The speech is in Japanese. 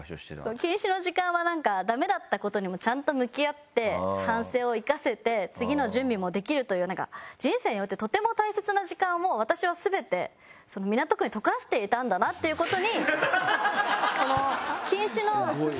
禁酒の時間はなんかダメだった事にもちゃんと向き合って反省を生かせて次の準備もできるというなんか人生においてとても大切な時間を私は全て港区に溶かしていたんだなっていう事にこの禁酒の期間で。